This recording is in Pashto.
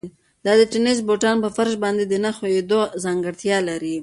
دا د تېنس بوټان په فرش باندې د نه ښویېدو ځانګړتیا لري.